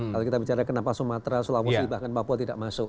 kalau kita bicara kenapa sumatera sulawesi bahkan papua tidak masuk